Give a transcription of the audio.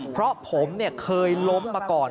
เพราะผมเคยล้มมาก่อน